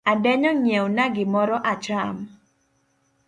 Adenyo nyiewna gimoro acham.